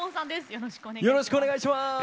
よろしくお願いします！